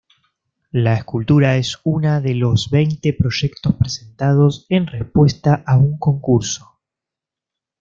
La escultura es una de los veinte proyectos presentados en respuesta a un concurso.